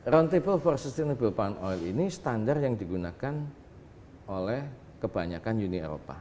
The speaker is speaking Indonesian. round table for sustainable palm oil ini standar yang digunakan oleh kebanyakan uni eropa